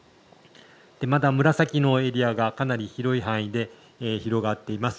また紫のエリアがかなり広い範囲で広がっています。